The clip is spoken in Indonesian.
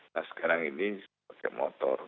nah sekarang ini sebagai motor